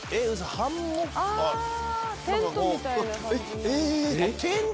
テントみたいな感じ。